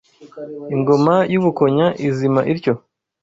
Ingoma y’u Bukonya izima ityo